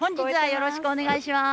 よろしくお願いします。